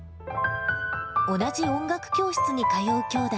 同じ音楽教室に通う姉弟。